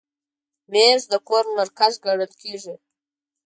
مېز د کور مرکز ګڼل کېږي.